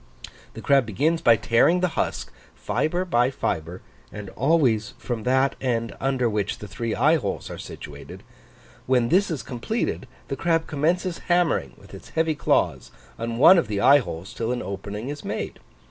The crab begins by tearing the husk, fibre by fibre, and always from that end under which the three eye holes are situated; when this is completed, the crab commences hammering with its heavy claws on one of the eye holes till an opening is made.